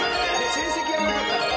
成績がよかったから。